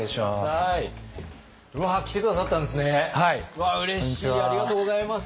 うわうれしいありがとうございます。